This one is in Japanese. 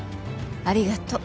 ありがとう。